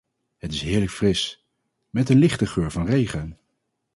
Het is heerlijk fris, met een lichte geur van regen.